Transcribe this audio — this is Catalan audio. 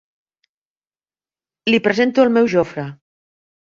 Li presento el meu Jofre.